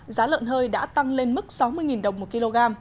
giá lợn hơi đã tăng lên mức sáu mươi đồng một kg